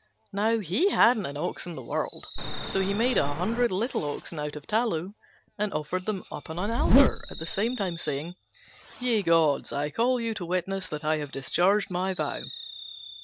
Now, he hadn't an ox in the world, so he made a hundred little oxen out of tallow and offered them up on an altar, at the same time saying, "Ye gods, I call you to witness that I have discharged my vow."